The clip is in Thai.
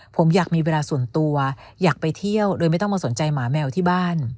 ผมอยากมีเวลาส่วนตัวอยากไปเที่ยวโดยไม่ต้องมาสนใจหมาแมวที่บ้าน